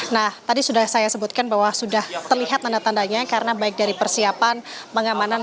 nah tadi sudah saya sebutkan bahwa sudah terlihat tanda tandanya karena baik dari persiapan pengamanan